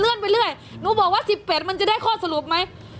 เลื่อนไปเรื่อยหนูบอกว่าสิบแปดมันจะได้ข้อสรุปไหม